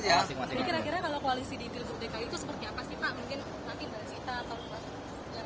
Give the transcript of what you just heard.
jadi kira kira kalau koalisi di dilbur dki itu seperti apa sih pak mungkin lagi dari cita atau